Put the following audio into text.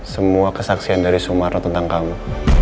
semua kesaksian dari sumarno tentang kamu